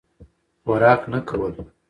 خوراک نه کول.